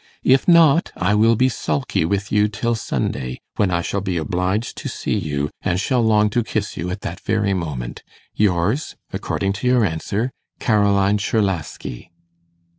If not, I will be sulky with you till Sunday, when I shall be obliged to see you, and shall long to kiss you that very moment. Yours, according to your answer, 'CAROLINE CZERLASKI.